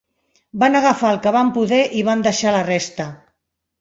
Van agafar el que van poder i van deixar la resta.